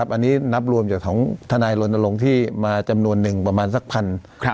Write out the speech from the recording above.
อันนี้นับรวมจากของทนายรณรงค์ที่มาจำนวนหนึ่งประมาณสักพัน